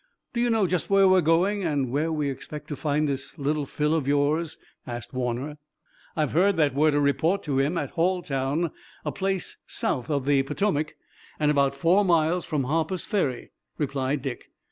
"Do you know just where we're going, and where we expect to find this Little Phil of yours?" asked Warner. "I've heard that we're to report to him at Halltown, a place south of the Potomac, and about four miles from Harper's Ferry," replied Dick.